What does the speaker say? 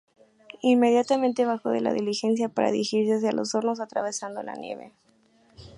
Inmediatamente bajó de la diligencia para dirigirse hacia los hornos atravesando la nieve.